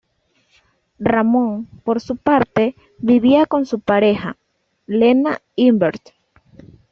Ramón, por su parte, vivía con su pareja, Lena Imbert.